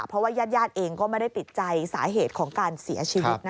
เพราะว่าญาติเองก็ไม่ได้ติดใจสาเหตุของการเสียชีวิต